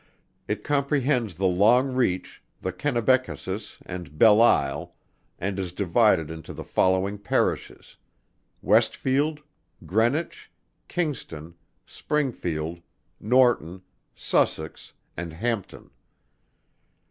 It comprehends the Long Reach, the Kennebeckasis and Belisle, and is divided into the following Parishes Westfield, Greenwich, Kingston, Springfield, Norton, Sussex, and Hampton.